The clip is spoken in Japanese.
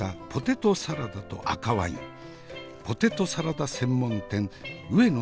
ポテトサラダ専門店上野